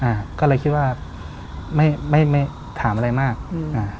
อ่าก็เลยคิดว่าไม่ไม่ไม่ถามอะไรมากอืมอ่า